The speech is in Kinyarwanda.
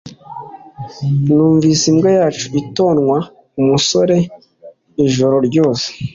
Numvise imbwa yacu itonwa musorea ijoro ryose